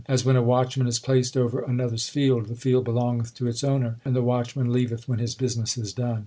As when a watchman is placed over another s field, The field belongeth to its owner, and the watchman leaveth when his business is done.